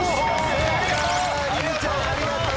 ありがとう！